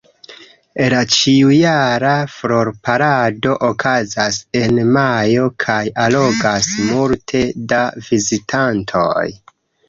La ĉiujara Flor-parado okazas en majo kaj allogas multe da vizitantoj.